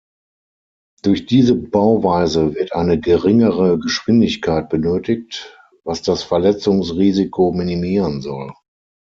Durch diese Bauweise wird eine geringere Geschwindigkeit benötigt, was das Verletzungsrisiko minimieren soll.